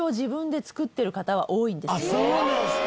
あっそうなんですか。